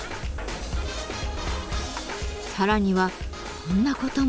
さらにはこんなことも。